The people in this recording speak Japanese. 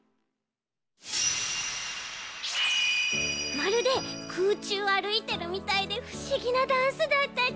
まるでくうちゅうをあるいてるみたいでふしぎなダンスだったち。